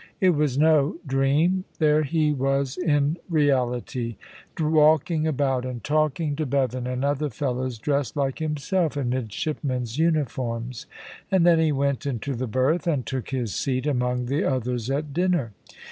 It was no dream; there he was in reality, walking about and talking to Bevan and other fellows dressed like himself in midshipmen's uniforms; and then he went into the berth, and took his seat among the others at dinner.